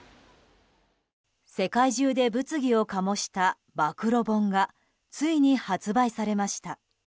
世界中で物議を醸した暴露本がついに発売されました。